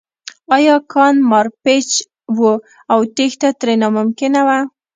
دا کان مارپیچ و او تېښته ترې ناممکنه وه